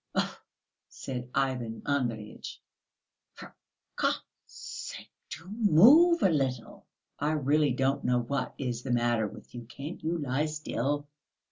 "Ouf!" said Ivan Andreyitch. "For God's sake, do move a little." "I really don't know what is the matter with you; can't you lie still?..."